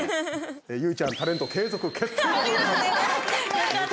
結実ちゃん、タレント継続決定でございます。